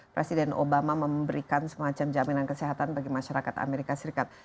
presiden obama memberikan semacam jaminan kesehatan bagi masyarakat amerika serikat